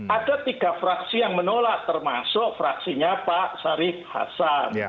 ada tiga fraksi yang menolak termasuk fraksinya pak syarif hasan